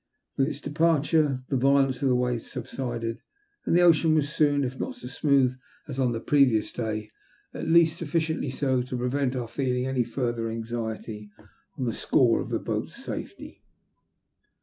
With its departure the violence of the waves subsided, and the ocean was soon, if not so smooth as on the pre vious day, at least sufficiently so to prevent our feeling any further anxiety on the score of the boat's safety.